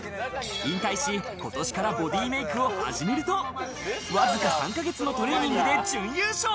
引退し今年からボディメイクを始めると、わずか３ヶ月のトレーニングで準優勝。